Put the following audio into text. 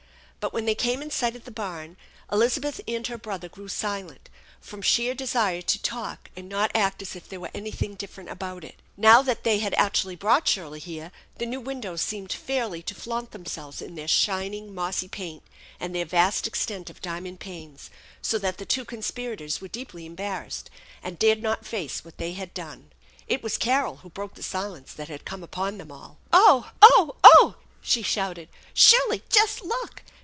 But, when they came in sight of the barn, Elizabeth and her brother grew silent from sheer desire to talk and not act as if there was anything different about it. Now that they THE ENCHANTED BABN 91 had actually brought Shirley here, the new windows seemed fairly to flaunt themselves in their shining mossy paint and their vast extent of diamond panes, so that the two con spirators were deeply embarrassed, and dared not face what they had done. It was Carol who broke the silence that had come upon them all. " Oh ! Oh ! Oh !" she shouted. " Shirley, just look